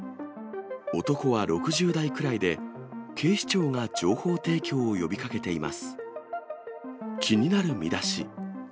男は６０代くらいで、警視庁が情報提供を呼びかけています。